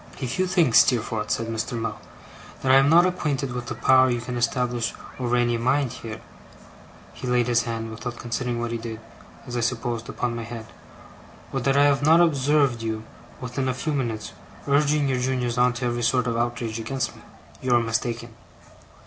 'If you think, Steerforth,' said Mr. Mell, 'that I am not acquainted with the power you can establish over any mind here' he laid his hand, without considering what he did (as I supposed), upon my head 'or that I have not observed you, within a few minutes, urging your juniors on to every sort of outrage against me, you are mistaken.